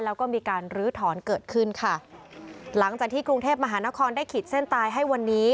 แล้วก็มีการลื้อถอนเกิดขึ้นค่ะหลังจากที่กรุงเทพมหานครได้ขีดเส้นตายให้วันนี้